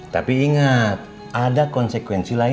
melintas udah selesai